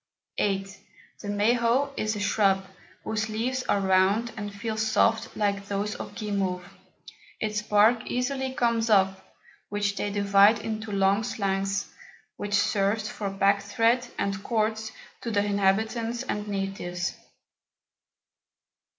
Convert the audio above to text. The Mahot is a Shrub, whose Leaves are round and feel soft like those of Guimauve; its Bark easily comes off, which they divide into long Slangs, which serves for Packthread and Cords to the Inhabitants and Natives.